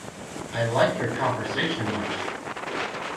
I like your conversation much.